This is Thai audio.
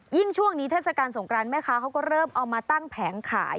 ช่วงนี้เทศกาลสงกรานแม่ค้าเขาก็เริ่มเอามาตั้งแผงขาย